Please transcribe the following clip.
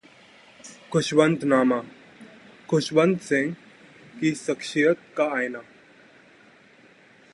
खुशवंतनामा: खुशवंत सिंह की शख्सियत का आईना